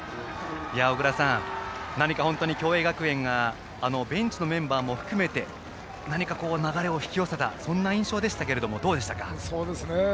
小倉さん、何か本当に共栄学園がベンチのメンバーも含めて流れを引き寄せたそんな印象でしたがどうでしたか？